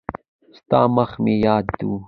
ستا مخ مې یاد و.